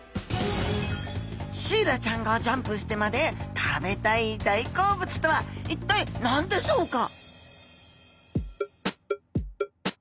シイラちゃんがジャンプしてまで食べたい大好物とは一体何でしょうか？